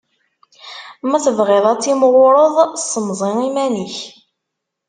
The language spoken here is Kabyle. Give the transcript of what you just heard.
Ma tebɣiḍ ad timɣuṛeḍ, ssemẓi iman-ik!